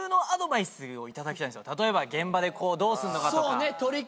例えば現場でどうすんのかとか。